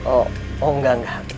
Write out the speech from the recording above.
oh enggak enggak